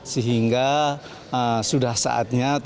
sehingga sudah saatnya tentu